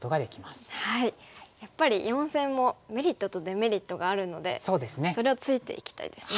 やっぱり四線もメリットとデメリットがあるのでそれをついていきたいですね。